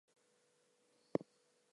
But first coffee!